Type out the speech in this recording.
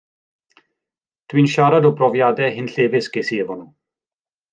Dw i'n siarad o brofiadau hunllefus ges i hefo nhw.